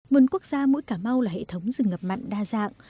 vườn quốc gia mũi cả mau là hệ thống rừng ngập mạnh đa dạng